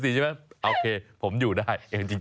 ใช่ไหมโอเคผมอยู่ได้เองจริง